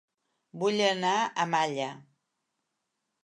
Vull anar a Malla